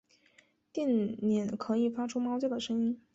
电鲇可以发出猫叫的声音。